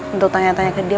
untuk tanya tanya ke dia